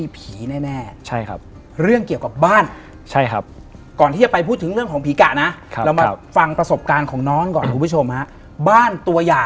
พี่จะสูสีกับไอ้ตัวนู้นมากกว่า